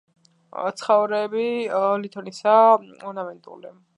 ცხაურები ლითონისაა, ორნამენტული.